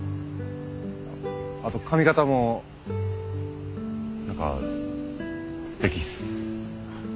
ああと髪形も何かすてきっす。